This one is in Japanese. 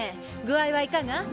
具合はいかが？